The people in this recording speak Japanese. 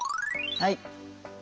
はい。